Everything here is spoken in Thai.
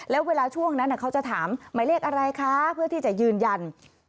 แล้วเวลาช่วงนั้นเขาจะถามหมายเลขอะไรคะเพื่อที่จะยืนยัน